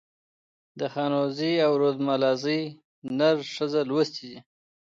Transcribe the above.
د خانوزۍ او رودملازۍ نر ښځه لوستي دي.